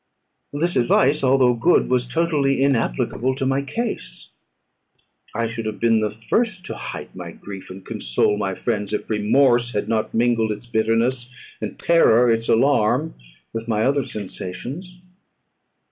This advice, although good, was totally inapplicable to my case; I should have been the first to hide my grief, and console my friends, if remorse had not mingled its bitterness, and terror its alarm with my other sensations.